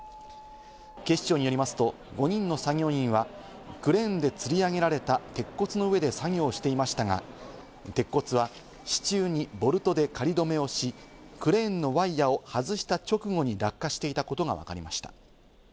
警視庁によりますと、５人の作業員はクレーンで吊り上げられた鉄骨の上で作業をしていましたが、鉄骨は支柱にボルトで仮止めをし、クレーンのワイヤを外した直後に落下していたことがわかりました。